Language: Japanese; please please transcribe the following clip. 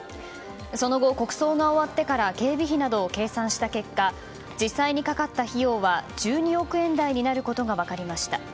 その後、国葬が終わってから警備費などを計算した結果実際にかかった費用は１２億円台になることが分かりました。